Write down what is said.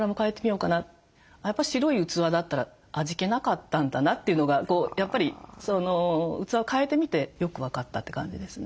やっぱ白い器だったら味気なかったんだなというのがやっぱり器を替えてみてよく分かったって感じですね。